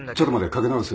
かけ直す。